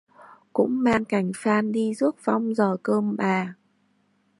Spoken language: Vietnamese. cũng mang cành phan đi rước vong giờ cơ mà